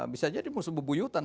bisa jadi musuh bebuyutan